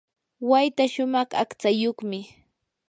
wayta shumaq aqtsayuqmi.